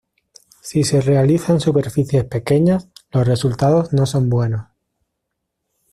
Si se realiza en superficies pequeñas, los resultados no son buenos.